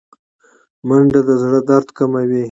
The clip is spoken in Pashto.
منډه د زړه درد کموي